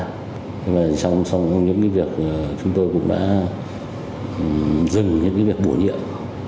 trong những việc chúng tôi cũng đã dừng những việc bổ nhiệm